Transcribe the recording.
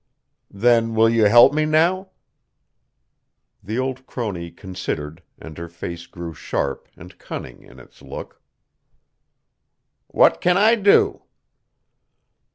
"Then will you help me, now?" The old crone considered, and her face grew sharp and cunning in its look. "What can I do?"